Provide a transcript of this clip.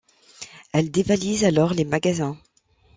Elle dévalise alors les magasins.